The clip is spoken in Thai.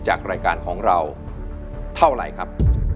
จากรายการของเราเท่าไหร่ครับ